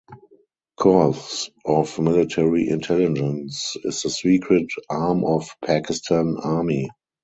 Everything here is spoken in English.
Corps of Military Intelligence is the secret arm of Pakistan Army.